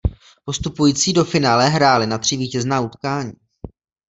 Postupující do finále hráli na tři vítězná utkání.